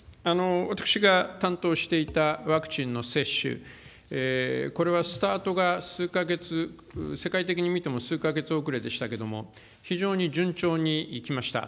私が担当していたワクチンの接種、これはスタートが数か月、世界的に見ても数か月遅れでしたけれども、非常に順調にいきました。